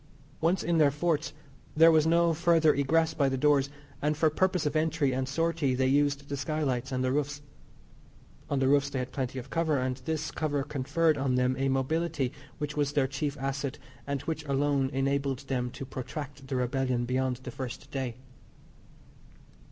Once in their forts there was no further egress by the doors, and for purpose of entry and sortie they used the skylights and the roofs. On the roofs they had plenty of cover, and this cover conferred on them a mobility which was their chief asset, and which alone enabled them to protract the rebellion beyond the first day.